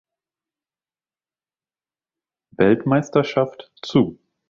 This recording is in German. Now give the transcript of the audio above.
Weltmeisterschaft zu.